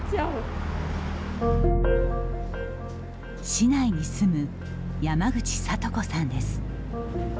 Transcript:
市内に住む、山口里子さんです。